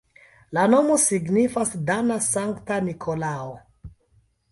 La nomo signifas dana-Sankta Nikolao.